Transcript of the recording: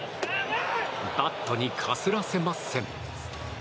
バットにかすらせません。